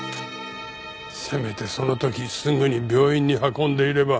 せめてその時すぐに病院に運んでいれば。